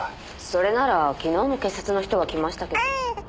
それなら昨日も警察の人が来ましたけど。